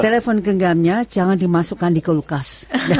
telepon genggamnya jangan dimasukkan di kulkas